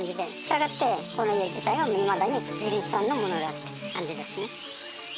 従ってこの家自体はいまだに地主さんのものだって感じですね。